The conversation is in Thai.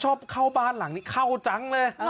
เข้าบ้านหลังนี้เข้าจังเลย